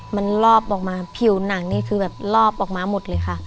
มันลอบออกมาผิวหนังนี่คือแบบรอบออกมาหมดเลยค่ะ